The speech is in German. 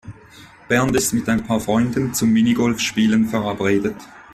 Bernd ist mit ein paar Freunden zum Minigolfspielen verabredet.